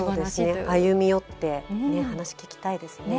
歩み寄って話聞きたいですね。